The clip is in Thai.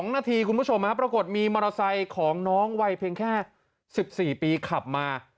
๒นาทีคุณผู้ชมปรากฏมีมอเตอร์ไซค์ของน้องวัยเพียงแค่๑๔ปีขับมา